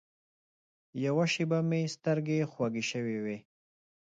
یوه شېبه مې سترګې خوږې شوې وې.